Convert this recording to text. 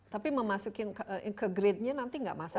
tapi memasukin ke gridnya nanti gak masalah gitu